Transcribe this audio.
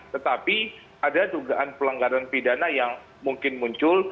tetapi ada dugaan pelanggaran pidana yang mungkin muncul